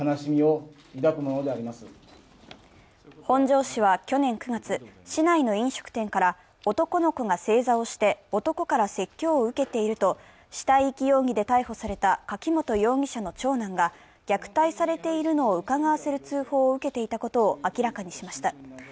本庄市は去年９月、市内の飲食店から男の子が正座をして男から説教を受けていると死体遺棄容疑で逮捕された柿本容疑者の長男が虐待されているのをうかがわせる通報を受けていたことを明らかにしました。